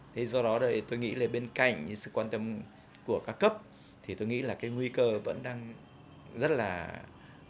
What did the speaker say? thế do đó tôi nghĩ là bên cạnh sự quan tâm của các cấp thì tôi nghĩ là cái nguy cơ vẫn đang rất là nóng